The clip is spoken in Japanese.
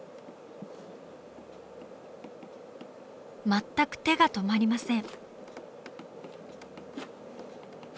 全く手が止まりません。